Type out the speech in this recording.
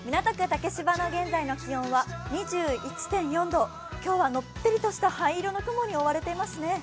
竹芝の現在の気温は２１．４度、今日はのっぺりとした灰色の雲に覆われていますね。